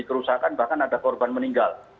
kerusakan bahkan ada korban meninggal